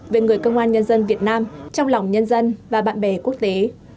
về người công an nhân dân việt nam trong lòng nhân dân và bạn bè quốc tế